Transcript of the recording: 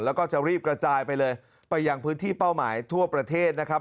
แล้วก็จะรีบกระจายไปเลยไปยังพื้นที่เป้าหมายทั่วประเทศนะครับ